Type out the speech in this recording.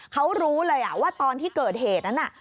เขารู้เลยว่าตอนที่เกิดเหตุนั้นน่ะ